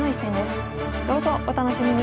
どうぞお楽しみに！